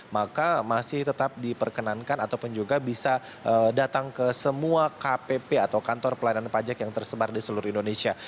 maka masih tetap diperkenankan ataupun juga bisa datang ke semua kpp atau kantor pelayanan pajak yang tersebar di seluruh indonesia